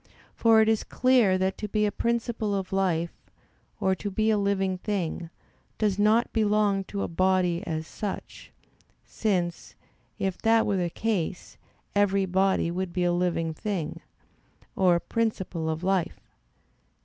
For it is clear that to be a principle of life, or to be a living thing, does not belong to a body as such; since, if that were the case, every body would be a living thing, or a principle of life.